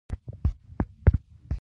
زه ښو خبرو ته غوږ نیسم.